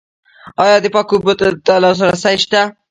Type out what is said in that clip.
آیا پاکو اوبو ته لاسرسی شته؟